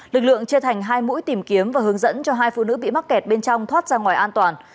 lực lượng chia thành hai mũi tìm kiếm và hướng dẫn cho hai phụ nữ bị mắc kẹt bên trong thoát ra ngoài an toàn